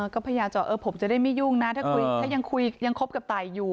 ก็พยายามจะว่าผมจะได้ไม่ยุ่งนะถ้ายังคุยยังคบกับตายอยู่